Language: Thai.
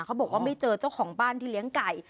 เขาบอกว่าไม่เจอเจ้าของบ้านที่เลี้ยงไก่